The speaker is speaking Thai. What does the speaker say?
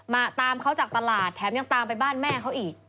มาตามเขาจากตลาดแถมยังตามไปบ้านแม่เขาอีก